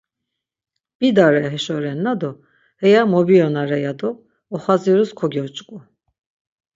Bidare heşo renna do heya mobiyonare ya do oxazirus kogyoç̌ǩu.